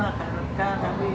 di luar terakhir ada gitu ya